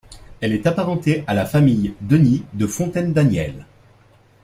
Elle est apparentée à la famille Denis de Fontaine-Daniel.